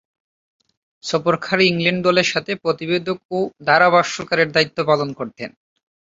সফরকারী England দলের সাথে প্রতিবেদক ও ধারাভাষ্যকারের দায়িত্ব পালন করতেন।